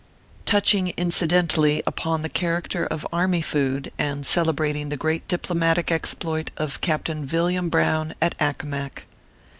TOUCHING INCIDENTALLY UPON THE CHARACTER OF ARMY FOOD, AND CELEBRATING THE GREAT DIPLOMATIC EXPLOIT OP CAPTAIN VILLIAM BROWN AT ACCOMAC.